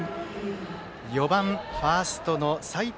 ４番ファースト齋藤